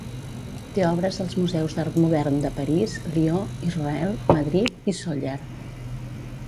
Té obres als museus d'art modern de París, Lió, Israel, Madrid i Sóller.